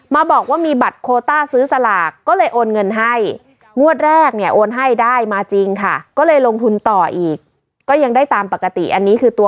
มาบอกว่ามีบัตรโคต้าซื้อสลากก็เลยโอนเงินให้งวดแรกเนี่ยโอนให้ได้มาจริงค่ะก็เลยลงทุนต่ออีกก็ยังได้ตามปกติอันนี้คือตัว